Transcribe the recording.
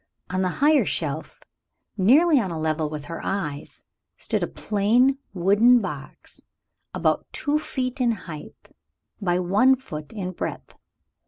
On the higher shelf, nearly on a level with her eyes, stood a plain wooden box about two feet in height by one foot in breadth.